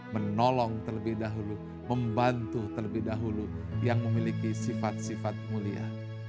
menolong terlebih dahulu membantu terlebih dahulu yang memiliki sifat sifat mulia